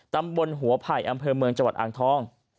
ตำบลหัวไผ่อำเภอเมืองจังหวัดอ่างทอง